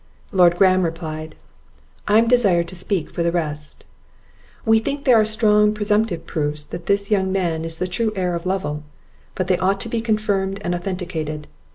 Lord Graham replied, "I am desired to speak for the rest. We think there are strong presumptive proofs that this young man is the true heir of Lovel; but they ought to be confirmed and authenticated.